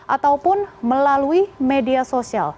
ataupun melalui media sosial